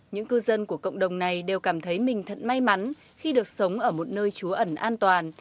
những cư dân của cộng đồng này đều cảm thấy mình thật may mắn khi được sống ở một nơi trúa ẩn an toàn